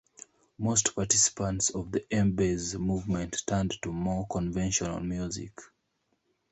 Most participants of the M-Base movement turned to more conventional music.